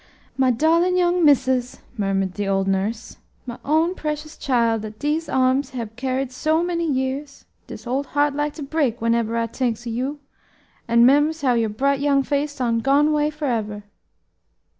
"My darling young missus!" murmured the old nurse, "my own precious chile dat dese arms hab carried so many years, dis ole heart like to break when eber I tinks ob you, an' 'members how your bright young face done gone away foreber."